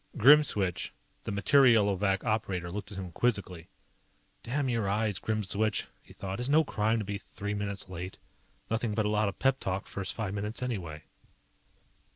Grimswitch, the Materielovac operator looked at him quizzically. Damn your eyes, Grimswitch, he thought. _It's no crime to be three minutes late. Nothing but a lot of pep talk first five minutes anyway.